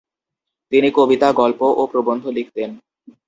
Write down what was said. তিনি কবিতা, গল্প ও প্রবন্ধ লিখতেন।